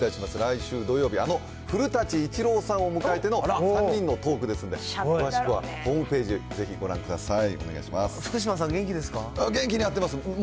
来週土曜日、あの古舘伊知郎さんを迎えての３人のトークですので、詳しくはホームページ、ぜひご覧ください。